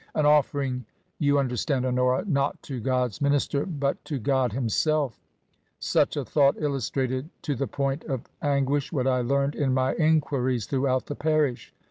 An offering, you understand, Honora, not to God's minister^ but to God Himself Such a thought illustrated to the point of anguish what I learned in my enquiries throughout the parish.